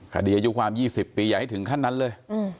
อายุความ๒๐ปีอย่าให้ถึงขั้นนั้นเลย